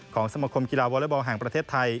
ของสมกรมกีฬาวอเตอร์บอลห่างประเทศไทย